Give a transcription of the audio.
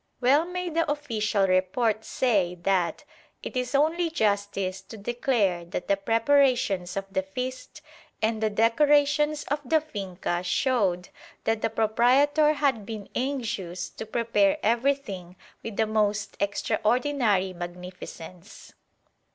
Well may the official report say that "it is only justice to declare that the preparations of the feast and the decorations of the finca showed that the proprietor had been anxious to prepare everything with the most extraordinary magnificence."